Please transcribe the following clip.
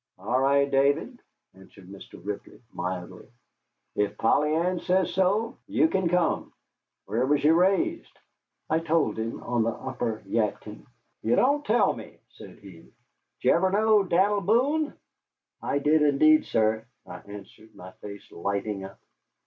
"All right, David," answered Mr. Ripley, mildly, "ef Polly Ann says so, you kin come. Whar was you raised?" I told him on the upper Yadkin. "You don't tell me," said he. "Did ye ever know Dan'l Boone?" "I did, indeed, sir," I answered, my face lighting up.